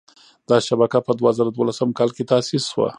دا شبکه په دوه زره دولسم کال کې تاسیس شوه.